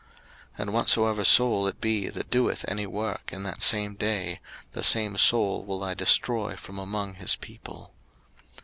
03:023:030 And whatsoever soul it be that doeth any work in that same day, the same soul will I destroy from among his people.